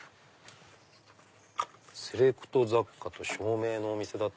「セレクト雑貨と照明のお店」。